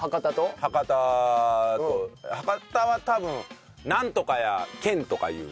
博多は多分「なんとかやけん」とか言う。